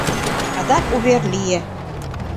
Адак увер лие.